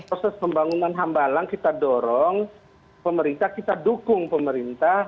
proses pembangunan hambalang kita dorong pemerintah kita dukung pemerintah